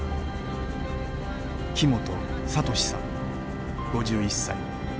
木本哲さん５１歳。